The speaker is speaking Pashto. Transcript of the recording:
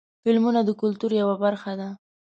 فلمونه د کلتور یوه برخه ده.